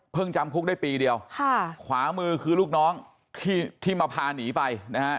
จำคุกได้ปีเดียวค่ะขวามือคือลูกน้องที่มาพาหนีไปนะฮะ